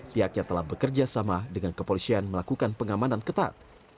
pihaknya telah bekerja sama dengan kepolisian melakukan pengamanan ketat